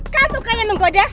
kamu kaya menggoda